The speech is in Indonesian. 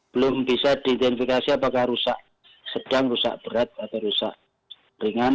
belum bisa diidentifikasi apakah rusak sedang rusak berat atau rusak ringan